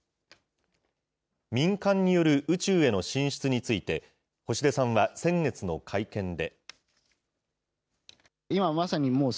民間による宇宙への進出について、星出さんは先月の会見で。